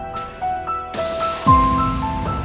ya nggak di sini ngucus